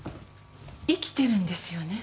生きてるんですよね？